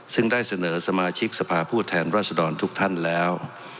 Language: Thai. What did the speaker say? ซึ่งได้เสนอสมาชิกสภาพผู้แทนรัศดรทุกท่านแล้ว